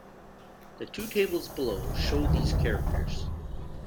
The two tables below show these characters.